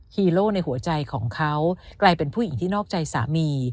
ฮีโร่ในหัวใจของเขากลายเป็นผู้หญิงที่นอกใจสามี